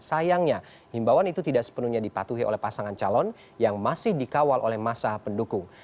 sayangnya himbawan itu tidak sepenuhnya dipatuhi oleh pasangan calon yang masih dikawal oleh masa pendukung